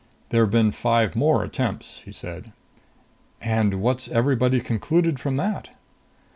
"There've been five more attempts," he said. "And what's everybody concluded from that?"